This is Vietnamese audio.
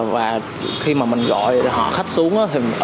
và khi mà mình gọi khách xuống